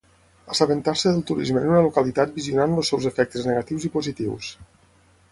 Assabentar-se del turisme en una localitat visionant els seus efectes negatius i positius.